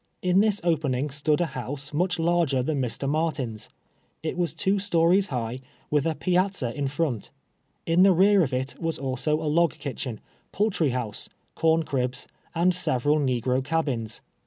In tills opening stood a house much larger than Mr. Martin's. It was two stories high, with a pia/.za in front. In the rear of it was also a log kitchen, poul try house, corncribs, and several negro cabins.